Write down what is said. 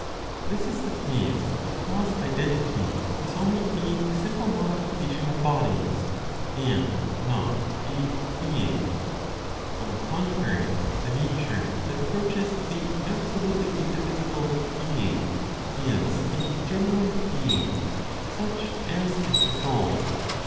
This is the case because identity is only a simple modification of bodies, and not a "being." On the contrary, the nature that approaches the absolutely indivisible "Being" is a genuine "being" (such as is the soul).